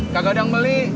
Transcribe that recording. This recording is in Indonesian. kagak ada yang beli